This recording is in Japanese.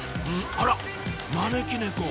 あら招き猫！